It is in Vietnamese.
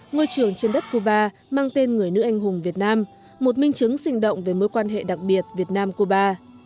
ngôi trường trên đất cuba mang tên người nữ anh hùng việt nam một minh chứng sinh động về mối quan hệ đặc biệt việt nam cuba